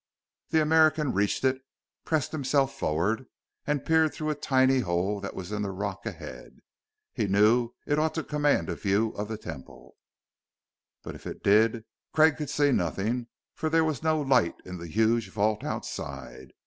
The American reached it, pressed himself forward, and peered through a tiny hole that was in the rock ahead. He knew it ought to command a view of the Temple. But if it did, Craig could see nothing, for there was no light in the huge vault outside.